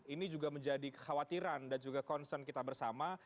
ini juga menjadi kekhawatiran dan juga concern kita bersama